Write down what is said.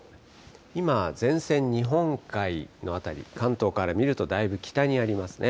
今、前線、日本海の辺り、関東から見るとだいぶ北にありますね。